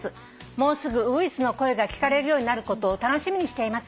もうすぐウグイスの声が聞かれるようになることを楽しみにしています」